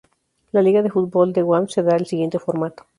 La liga de fútbol de guam se da el siguiente formato